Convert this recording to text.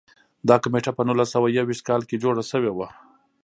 دا کمېټه په نولس سوه یو ویشت کال کې جوړه شوې وه.